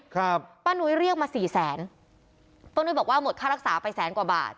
ครับป้านุ้ยเรียกมาสี่แสนป้านุ้ยบอกว่าหมดค่ารักษาไปแสนกว่าบาท